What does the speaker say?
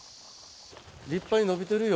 立派に伸びてるよ。